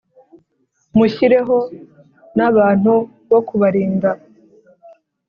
Mushyireho n’abantu bo kubarinda